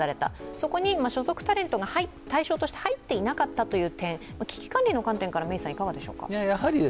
そこに所属タレントが対象として入っていなかったという点、危機管理の観点からいかがでしょうか？